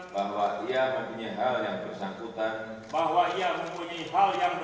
bahwa ia mempunyai hal yang bersangkutan